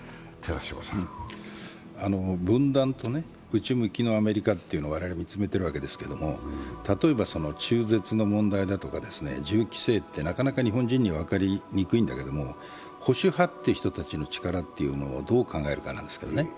分断と内向きのアメリカというのは我々見つめているわけですけれども、例えば中絶の問題だとか銃規制ってなかなか日本人には分かりにくいんだけども、保守派という人たちの力をどう考えるかなんですけどね。